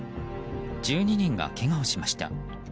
１２人がけがをしました。